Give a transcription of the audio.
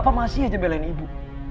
apa masih aja belain ibu